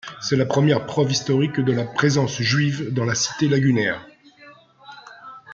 C'est la première preuve historique de la présence juive dans la cité lagunaire.